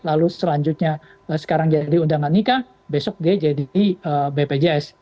lalu selanjutnya sekarang jadi undangan nikah besok dia jadi bpjs